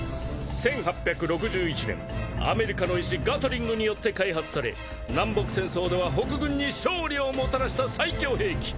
１８６１年アメリカの医師ガトリングによって開発され南北戦争では北軍に勝利をもたらした最強兵器。